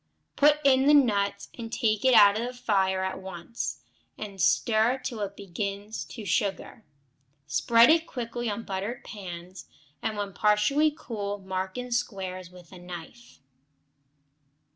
Put in the nuts and take off the fire at once, and stir till it begins to sugar. Spread it quickly on buttered pans, and when partly cool mark in squares with a knife.